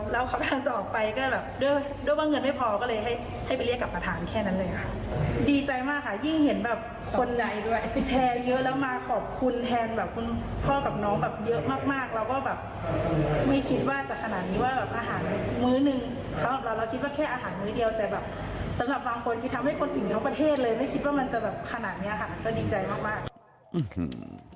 ไม่คิดว่ามันจะแบบขนาดนี้ค่ะก็ดีใจมาก